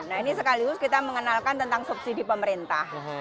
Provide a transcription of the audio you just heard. nah ini sekaligus kita mengenalkan tentang subsidi pemerintah